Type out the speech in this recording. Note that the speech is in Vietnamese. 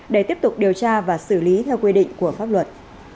để tiếp tục điều tra và xử lý theo quy định của pháp luật